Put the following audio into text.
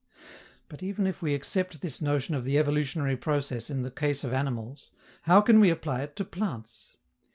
But, even if we accept this notion of the evolutionary process in the case of animals, how can we apply it to plants?